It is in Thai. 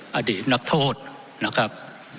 ไม่ได้เป็นประธานคณะกรุงตรี